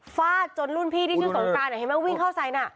จนรุ่นพี่ที่ชื่อสงการเห็นไหมวิ่งเข้าใส่น่ะ